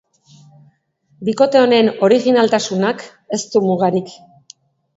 Bikote honen orijinaltasunak ez du mugarik.